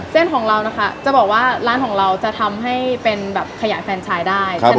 เส้นของเรานะคะจะบอกว่าร้านของเราจะทำให้เป็นแบบขยายแฟนชายได้ใช่ไหม